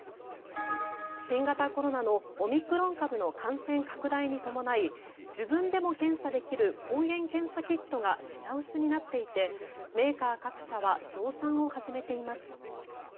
新型コロナのオミクロン株の感染拡大に伴い自分でも検査できる抗原検査キットが品薄になっていてメーカー各社は増産を始めています。